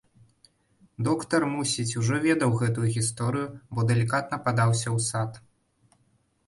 Доктар, мусіць, ужо ведаў гэтую гісторыю, бо далікатна падаўся ў сад.